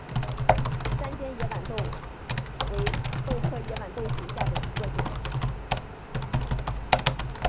三尖野豌豆为豆科野豌豆属下的一个种。